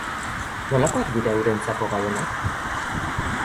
Nolakoak dira eurentzako gabonak?